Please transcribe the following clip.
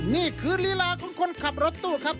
นี่คือลีลาของคนขับรถตู้ครับ